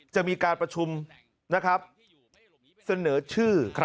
จะมีการประชุมนะครับเสนอชื่อ